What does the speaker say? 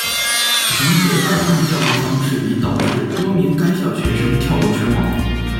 衡水二中的教育方式已导致多名该校学生跳楼身亡。